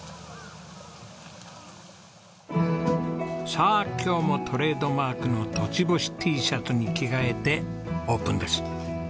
さあ今日もトレードマークの栃星Ｔシャツに着替えてオープンです。